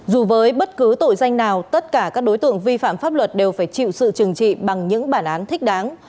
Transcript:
dù với bất cứ tội danh nào tất cả các đối tượng vi phạm pháp luật đều phải chịu sự trừng trị bằng những bản án thích đáng